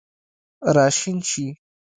راشین شي